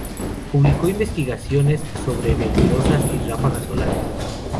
Publicó investigaciones sobre nebulosas y ráfagas solares.